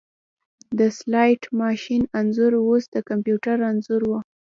د سلاټ ماشین انځور اوس د کمپیوټر انځور و